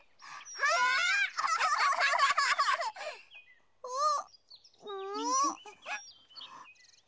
あっ！